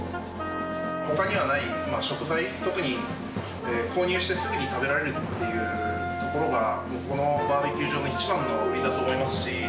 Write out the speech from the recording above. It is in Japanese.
ほかにはない食材、特に購入してすぐに食べられるというところが、このバーベキュー場の一番の売りだと思いますし。